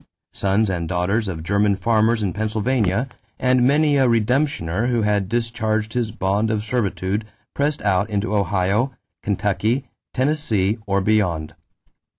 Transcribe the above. Sons and daughters of German farmers in Pennsylvania and many a redemptioner who had discharged his bond of servitude pressed out into Ohio, Kentucky, Tennessee, or beyond.